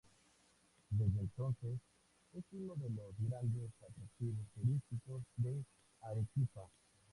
Desde entonces es uno de los grandes atractivos turísticos de Arequipa.